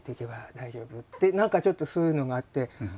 何かちょっとそういうのがあって。